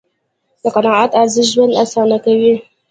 د قناعت ارزښت ژوند آسانه کوي.